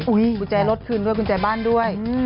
กุญแจรถคืนด้วยกุญแจบ้านด้วย